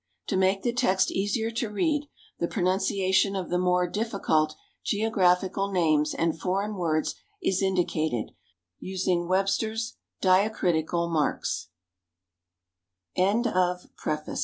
To make the text easier to read, the pronunciation of the more difficuh geographical names and foreign words is indicated, using Webster's diacr